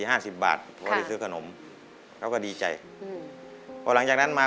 บาท๔๐๕๐บาทพอที่ซื้อขนมเขาก็ดีใจหลังจากนั้นมา